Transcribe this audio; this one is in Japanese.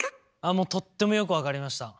もうとってもよく分かりました。